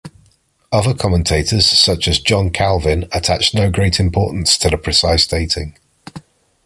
Other commentators, such as John Calvin, attach no great importance to the precise dating.